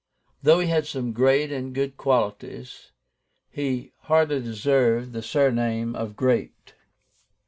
"Though he had some great and good qualities, he hardly deserved the surname of GREAT.